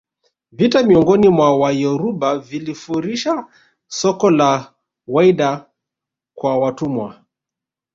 vita miongoni mwa Wayoruba vilifurisha soko la Whydah kwa watumwa